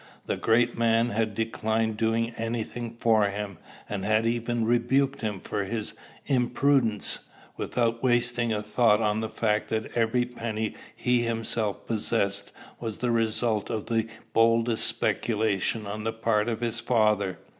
The great man had declined doing any thing for him, and had even rebuked him for his imprudence, without wasting a thought on the fact that every penny he himself possessed was the result of the boldest speculation on the part of his father.